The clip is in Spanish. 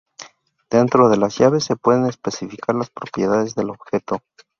Dentro de las llaves se pueden especificar las propiedades del objeto.